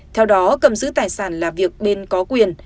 theo đó cầm giữ tài sản là việc bên có quyền